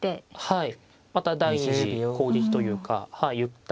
はい。